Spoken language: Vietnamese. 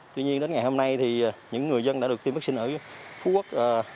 tuy nhiên đến ngày hôm nay thì những người dân đã được tiêm vaccine ở phú quốc